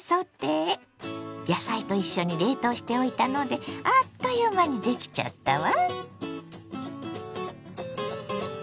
野菜と一緒に冷凍しておいたのであっという間にできちゃったわ。